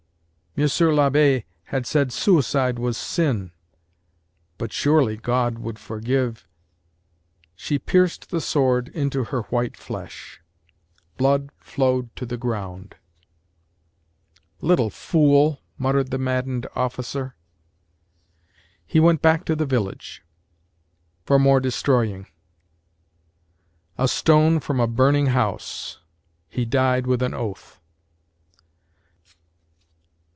MONSIEUR L'ABBÉ had said suicide was sin but surely God would forgive SHE pierced the sword into her white flesh blood flowed to the ground. LITTLE FOOL muttered the maddened officer. HE went back to the village for more destroying. A STONE from a burning house HE died with an oath.